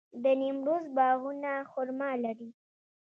د نیمروز باغونه خرما لري.